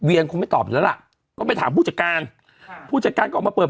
คงไม่ตอบอยู่แล้วล่ะก็ไปถามผู้จัดการค่ะผู้จัดการก็ออกมาเปิด